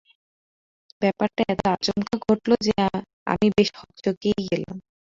ব্যাপারটা এত আচমকা ঘটল যে আমি বেশ হকচাকিয়েই গেলাম।